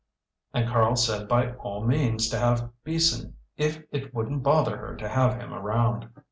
And Karl said by all means to have Beason if it wouldn't bother her to have him around.